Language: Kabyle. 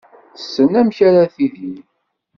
Tessen amek ara tidir.